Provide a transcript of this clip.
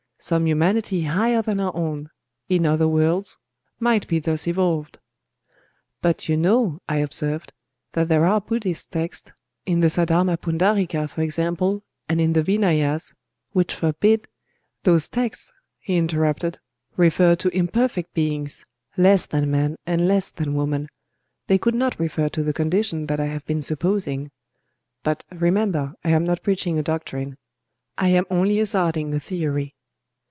Some humanity higher than our own,—in other worlds,—might be thus evolved." "But you know," I observed, "that there are Buddhist texts,—in the Saddharma Pundarîka, for example, and in the Vinayas,—which forbid…." "Those texts," he interrupted, "refer to imperfect beings—less than man and less than woman: they could not refer to the condition that I have been supposing…. But, remember, I am not preaching a doctrine;—I am only hazarding a theory."